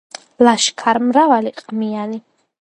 ლაშქარ-მრავალი, ყმიანი